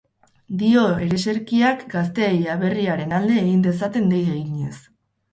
Dio ereserkiak, gazteei aberriaren alde egin dezaten dei eginez.